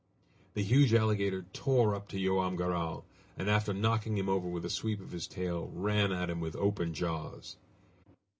The huge alligator tore up to Joam Garral, and after knocking him over with a sweep of his tail, ran at him with open jaws.